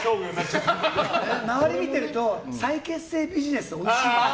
周りを見てると再結成ビジネスおいしいなって。